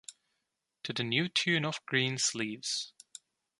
To the new tune of Green Sleeves.